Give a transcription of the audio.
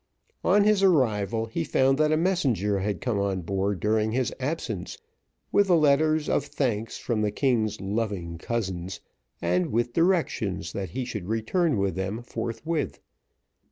On his arrival he found that a messenger had come on board during his absence, with the letters of thanks from the king's loving cousins, and with directions that he should return with them forthwith.